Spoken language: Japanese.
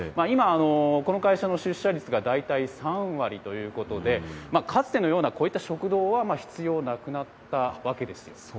今、この会社の出社率が大体３割ということで、かつてのようなこういった食堂は必要なくなったわけです。